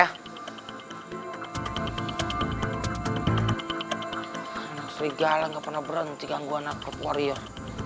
anak serigala gak pernah berhenti ganggu anak klub warrior